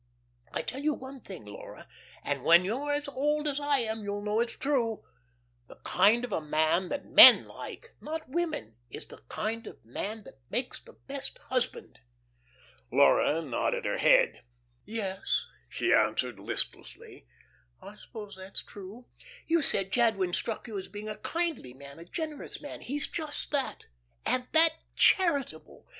I tell you one thing, Laura, and when you are as old as I am, you'll know it's true: the kind of a man that men like not women is the kind of a man that makes the best husband." Laura nodded her head. "Yes," she answered, listlessly, "I suppose that's true." "You said Jadwin struck you as being a kindly man, a generous man. He's just that, and that charitable!